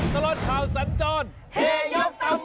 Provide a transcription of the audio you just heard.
ตลอดข่าวสันจอด